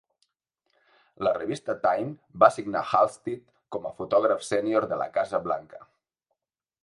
La revista "Time" va assignar Halstead com a fotògraf sènior de la Casa Blanca.